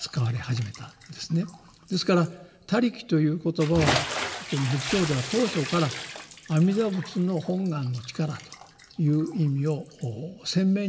ですから「他力」という言葉はこの仏教では当初から阿弥陀仏の本願の力という意味を鮮明に持っているわけです。